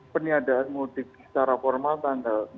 peniadaan mudik secara formal tanggal